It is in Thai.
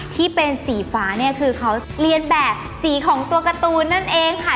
ที่เป็นสีฟ้าเนี่ยคือเขาเรียนแบบสีของตัวการ์ตูนนั่นเองค่ะ